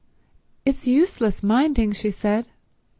"It's useless minding," she said.